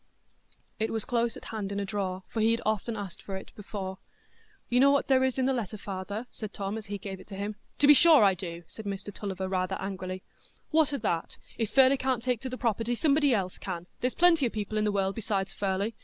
It was close at hand in a drawer, for he had often asked for it before. "You know what there is in the letter, father?" said Tom, as he gave it to him. "To be sure I do," said Mr Tulliver, rather angrily. "What o' that? If Furley can't take to the property, somebody else can; there's plenty o' people in the world besides Furley.